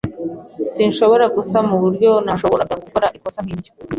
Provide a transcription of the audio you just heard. Sinshobora gusama uburyo nashoboraga gukora ikosa nkiryo.